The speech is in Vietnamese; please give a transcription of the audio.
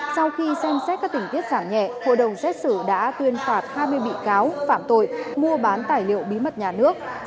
sau khi xem xét các tình tiết giảm nhẹ hội đồng xét xử đã tuyên phạt hai mươi bị cáo phạm tội mua bán tài liệu bí mật nhà nước